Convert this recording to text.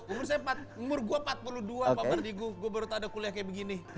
umur saya empat puluh dua pak fardy gue baru tau ada kuliah kayak begini